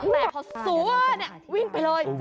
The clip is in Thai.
แต่พอสู้อ่ะเนี่ยวิ่งไปเลย